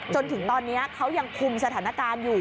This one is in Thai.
จนถึงตอนนี้เขายังคุมสถานการณ์อยู่